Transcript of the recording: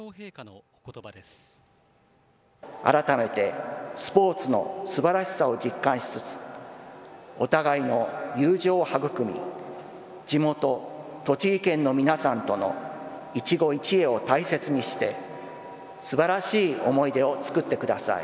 改めてスポーツのすばらしさを実感しつつ、お互いの友情を育み、地元、栃木県の皆さんとの一期一会を大切にしてすばらしい思い出を作ってください。